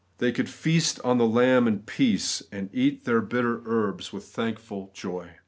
They could feast upon the lamb in peace, and eat their bitter herbs with thankful joy.